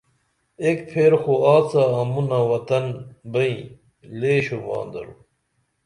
ایک پھیر خو آڅا امونہ وطن بئیں لے شوباں درو